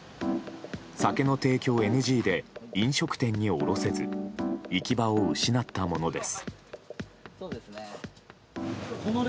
酒の提供ＮＧで飲食店に卸せず行き場を失ったものです。